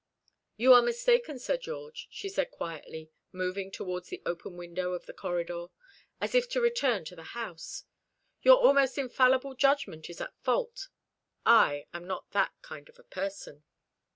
"You are mistaken, Sir George," she said quietly, moving towards the open window of the corridor, as if to return to the house. "Your almost infallible judgment is at fault. I am not that kind of person."